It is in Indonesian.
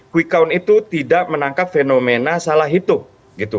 kuikaun itu tidak menangkap fenomena salah itu